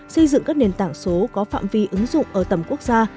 xây dựng các nền tảng số có phạm vi ứng dụng ở tầm quốc gia